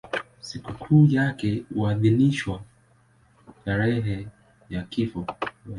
Sikukuu yake huadhimishwa tarehe ya kifo.